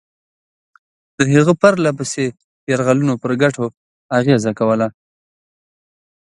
د هغه پرله پسې یرغلونو پر ګټو اغېزه کوله.